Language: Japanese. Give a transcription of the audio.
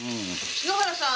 篠原さん